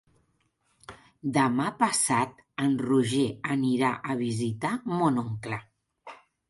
Demà passat en Roger anirà a visitar mon oncle.